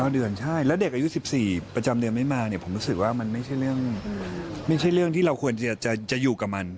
๙เดือนใช่และเด็กอายุ๑๔ประจำเดือนไม่มาผมรู้สึกว่ามันไม่ใช่เรื่องที่เราควรจะอยู่กับมัน